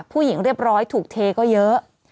ผู้หญิงเรียบร้อยถูกเทก็เยอะ